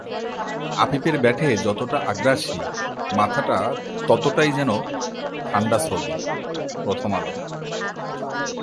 আফিফের ব্যাটে যতটা আগ্রাসী, মাথাটা ততটাই যেন ঠান্ডা ছবি: প্রথম আলো